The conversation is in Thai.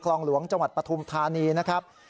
หลวงจังหวัดปฐุมธานีนะครับ